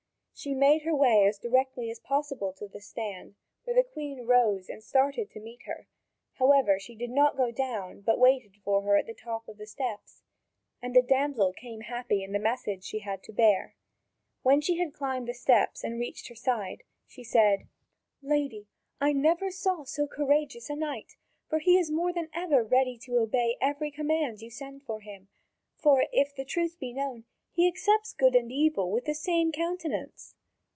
She made her way as directly as possible to the stand, where the Queen rose and started to meet her, however, she did not go down, but waited for her at the top of the steps. And the damsel came happy in the message she had to bear. When she had climbed the steps and reached her side, she said: "Lady, I never saw so courteous g knight, for he is more than ready to obey every command you send to him, for, if the truth be known, he accepts good and evil with the same countenance."